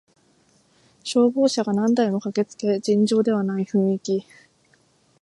消防車が何台も駆けつけ尋常ではない雰囲気